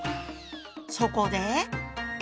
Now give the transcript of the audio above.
そこで。